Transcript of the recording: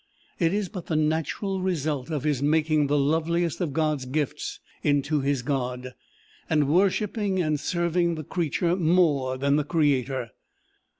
It is but the natural result of his making the loveliest of God's gifts into his God, and worshipping and serving the creature more than the creator.